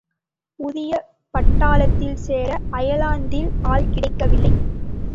புதிய பட்டாளத்தில் சேர அயர்லாந்தில் ஆள்கிடைக்கவில்லை.